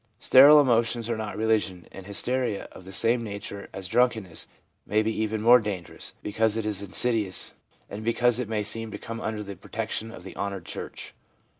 Sterile emotions are not religion, and hysteria, of the same nature as drunkenness, may be even more danger ous, because it is insidious, and because it may seem to come under the protection of the honoured church.